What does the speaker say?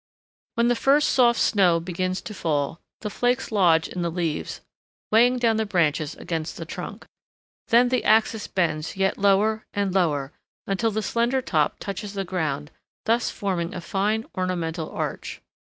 When the first soft snow begins to fall, the flakes lodge in the leaves, weighing down the branches against the trunk. Then the axis bends yet lower and lower, until the slender top touches the ground, thus forming a fine ornamental arch.